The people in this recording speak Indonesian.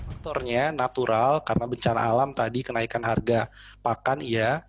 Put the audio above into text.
faktornya natural karena bencana alam tadi kenaikan harga pakan iya